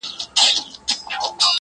زموږ پاچا دی موږ په ټولو دی منلی!!